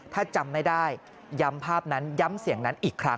ถ้าจำไม่ได้ย้ำภาพนั้นย้ำเสียงนั้นอีกครั้ง